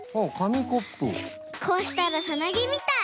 こうしたらサナギみたい。